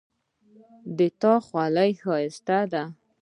د تا خولی ښایسته ده